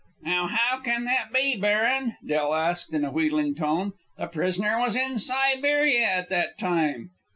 "Now, how can that be, baron?" Del asked in a wheedling tone. "The prisoner was in Siberia at that time."